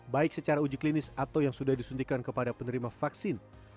baik secara uji klinis atau yang sudah disuntikan kepada penerima vaksin